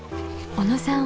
小野さん